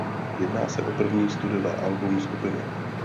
Jedná se o první studiové album skupiny.